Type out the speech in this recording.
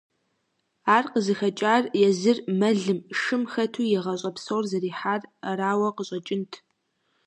Ар къызыхэкӏар езыр мэлым, шым хэту и гъащӏэ псор зэрихьар арауэ къыщӏэкӏынт.